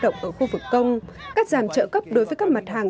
tổng liên đoàn lao động ở khu vực công cắt giảm trợ cấp đối với các mặt hàng